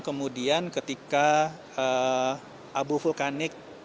kemudian ketika abu vulkanik